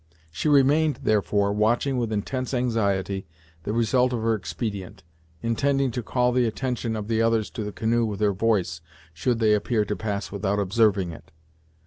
She remained, therefore, watching with intense anxiety the result of her expedient, intending to call the attention of the others to the canoe with her voice, should they appear to pass without observing it.